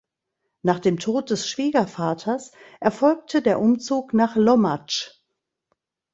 Nach dem Tod des Schwiegervaters erfolgte der Umzug nach Lommatzsch.